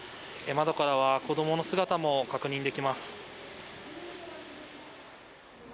窓からは子供の姿も確認できます。